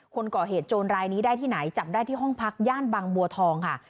คนก่อเหตุโจรรายนี้ได้ที่ไหนจับได้ที่ห้องพักย่านบางบัวทองค่ะ